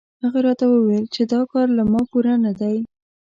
هغه راته وویل چې دا کار له ما پوره نه دی.